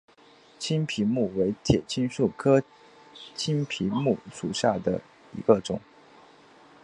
青皮木为铁青树科青皮木属下的一个种。